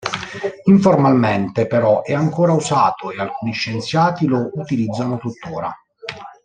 Informalmente, però, è ancora usato e alcuni scienziati lo utilizzano tuttora.